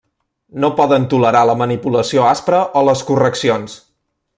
No poden tolerar la manipulació aspra o les correccions.